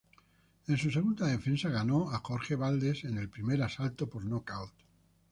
En su segunda defensa ganó a Jorge Valdes en el primer asalto por nocaut.